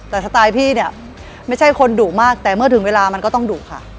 แต่สไตล์พี่เนี่ยไม่ใช่คนดุมากแต่เมื่อถึงเวลามันก็ต้องดุค่ะ